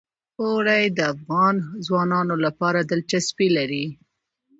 اوړي د افغان ځوانانو لپاره دلچسپي لري.